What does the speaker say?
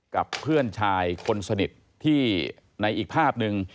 กับเพื่อนชายคนสนิทที่ในอีกภาพหนึ่ง